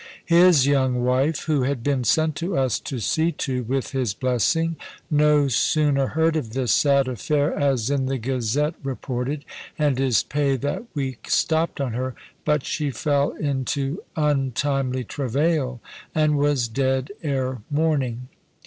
His young wife (who had been sent to us to see to, with his blessing) no sooner heard of this sad affair as in the Gazette reported, and his pay that week stopped on her, but she fell into untimely travail, and was dead ere morning.